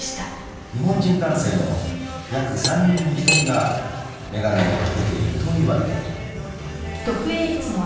［日本人男性の約３人に１人が眼鏡を掛けているといわれている］